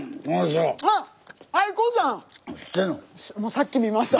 さっき見ました。